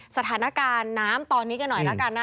สถานการณ์น้ำตอนนี้กันหน่อยแล้วกันนะ